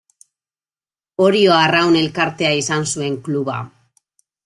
Orio Arraun Elkartea izan zuen kluba.